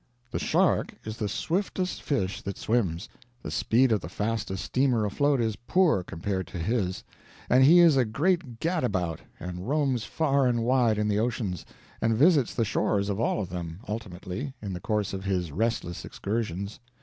The shark is the swiftest fish that swims. The speed of the fastest steamer afloat is poor compared to his. And he is a great gad about, and roams far and wide in the oceans, and visits the shores of all of them, ultimately, in the course of his restless excursions.